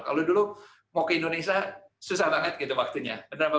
kalau dulu mau ke indonesia susah banget gitu waktunya